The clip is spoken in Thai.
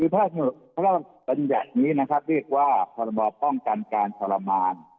พระเจ้าเป็นแบบนี้นะครับเรียกว่าประบอบป้องกันการทรมาน